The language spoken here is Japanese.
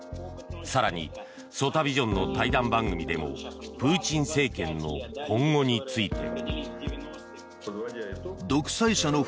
更にソタビジョンの対談番組でもプーチン政権の今後について。